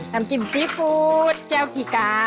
ทำจิ้มซี่ฟูดเจ้าขี้ก๊า